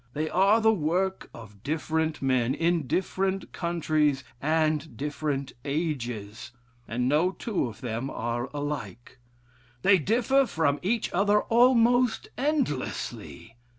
They are the work of different men, in different countries, and different ages. And no two of them are alike. They differ from each other almost endlessly.